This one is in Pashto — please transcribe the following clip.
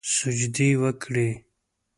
سجدې وکړي